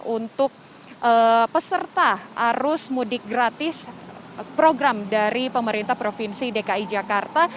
untuk peserta arus mudik gratis program dari pemerintah provinsi dki jakarta